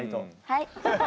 はい。